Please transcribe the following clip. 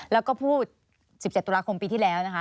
แล้วก็พูด๑๗ตุลาคมปีที่แล้วนะคะ